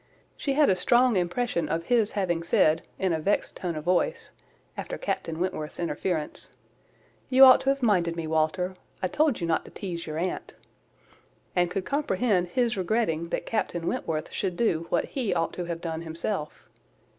She had a strong impression of his having said, in a vext tone of voice, after Captain Wentworth's interference, "You ought to have minded me, Walter; I told you not to teaze your aunt;" and could comprehend his regretting that Captain Wentworth should do what he ought to have done himself.